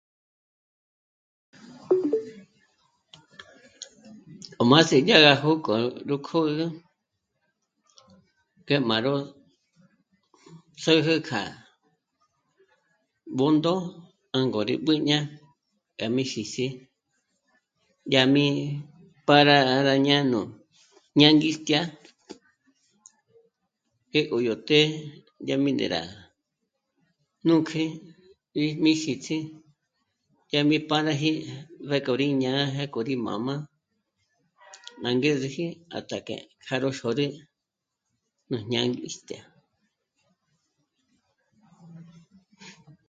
O má sé'e yá gá jók'ò ró kjǔgü k'e má ró sä́jä k'a Bṓndo 'ângo rí b'ǘ'ü jña ngá mí xìs'i, dyá mí pâra rá jñá'a nú ñângistjya jé k'o yó të́'ë dyà mi né'e rá núkji e mí xíts'i yá mí pâraji rék'o rí jñá'a pjéko rí mā̀mā. Ná angézeji 'àt'a k'e já ró xôrü nú ñângistjya